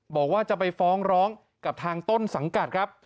บอกว่าจะไปฟ้องร้องกับทางต้นสังกัดครับ